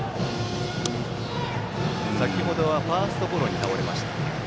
先ほどはストレートゴロに倒れました。